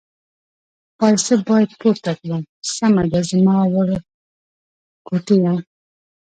پایڅه باید پورته کړم، سمه ده زما ورکوټیه.